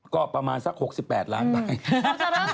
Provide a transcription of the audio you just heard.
ก็ประมาณสัก๖๘ล้านบาท